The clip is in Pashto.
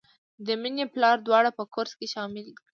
د مینې پلار دواړه په کورس کې شاملې کړې